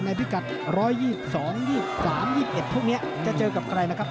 พิกัด๑๒๒๒๓๒๑พวกนี้จะเจอกับใครนะครับ